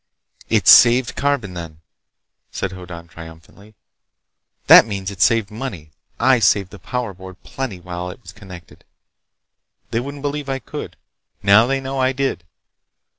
"It saved carbon, then," said Hoddan triumphantly. "That means it saved money. I saved the Power Board plenty while that was connected. They wouldn't believe I could. Now they know. I did!"